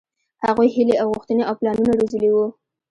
هغوۍ هيلې او غوښتنې او پلانونه روزلي وو.